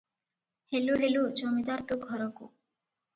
ହେଲୁ ହେଲୁ ଜମିଦାର ତୋ ଘରକୁ ।